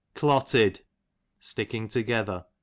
Clotted, sticking together.